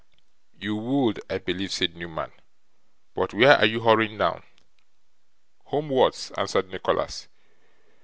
'You would, I believe,' said Newman. 'But where are you hurrying now?' 'Homewards,' answered Nicholas.